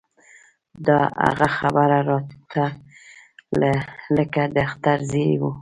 د هغه خبره راته لکه د اختر زېرى و.